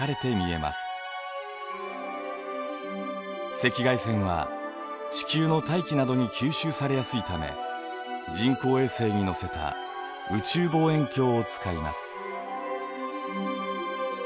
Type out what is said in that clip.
赤外線は地球の大気などに吸収されやすいため人工衛星に載せた宇宙望遠鏡を使います。